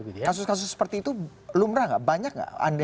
kasus kasus seperti itu lumrah nggak banyak nggak